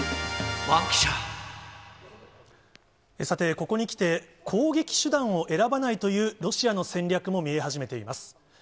さて、ここにきて攻撃手段を選ばないというロシアの戦略も見え始めています。